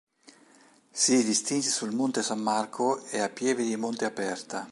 Si distinse sul Monte San Marco e a Pieve di Monte Aperta.